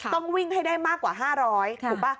ต้องวิ่งให้ได้มากกว่า๕๐๐ถูกป่ะ